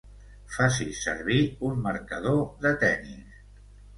Facis servir un marcador de tennis.